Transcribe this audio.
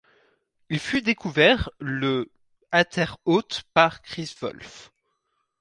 Il fut découvert le à Terre Haute par Chris Wolfe.